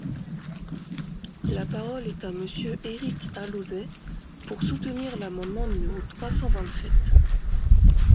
La parole est à Monsieur Éric Alauzet, pour soutenir l’amendement numéro trois cent vingt-sept.